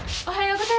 おはよう。